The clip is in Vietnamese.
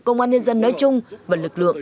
công an nhân dân nói chung và lực lượng